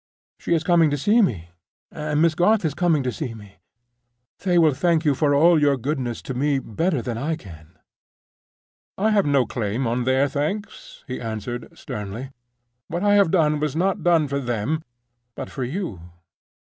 She is coming to see me, and Miss Garth is coming to see me. They will thank you for all your goodness to me better than I can." "I have no claim on their thanks," he answered, sternly. "What I have done was not done for them, but for you."